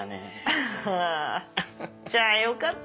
あぁじゃあよかった！